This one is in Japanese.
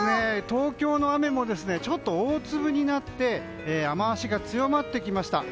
東京の雨もちょっと大粒になって雨脚が強まってきました。